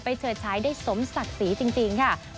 ไปเฉิดชายได้สมศักดิ์สีจริงค่ะ